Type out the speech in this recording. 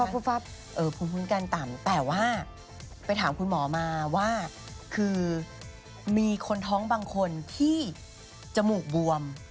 ภูมิคุ้มกันต่ำแต่ว่าไปถามคุณหมอมาว่าคือมีคนท้องบางคนที่จมูกบวม